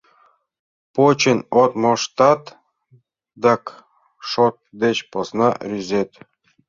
Почын от моштат, так шот деч посна рӱзет...